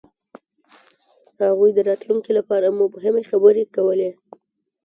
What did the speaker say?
هغوی د راتلونکي لپاره مبهمې خبرې کولې.